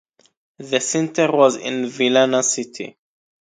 The center was in Vilna city.